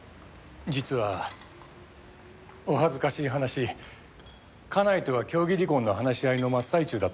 実はお恥ずかしい話家内とは協議離婚の話し合いの真っ最中だったんです。